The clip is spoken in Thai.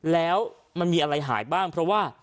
แล้วมันมีอะไรหายบ้างเพราะว่า